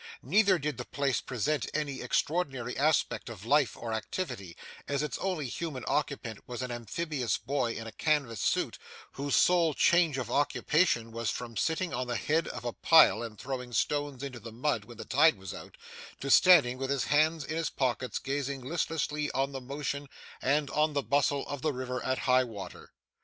Neither did the place present any extraordinary aspect of life or activity, as its only human occupant was an amphibious boy in a canvas suit, whose sole change of occupation was from sitting on the head of a pile and throwing stones into the mud when the tide was out, to standing with his hands in his pockets gazing listlessly on the motion and on the bustle of the river at high water.